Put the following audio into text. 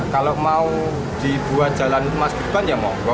kalau mau dibuat jalan mas gibran ya monggo